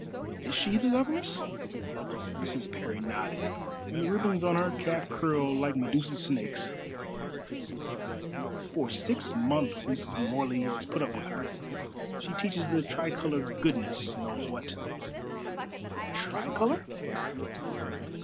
"Is she the governess?" Mrs. Parry nodded, and the ribbons on her cap curled like Medusa's snakes. "For six months Mrs. Morley has put up with her. She teaches the Tricolor goodness knows what." "The Tricolor?"